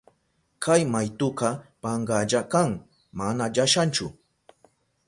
Kay maytuka pankalla kan, mana llashanchu.